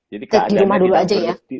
jadi di rumah dulu aja ya